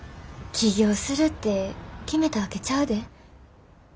起業するって決めたわけちゃうで。